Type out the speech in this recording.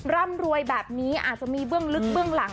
ร่ำรวยแบบนี้อาจจะมีเบื้องลึกเบื้องหลัง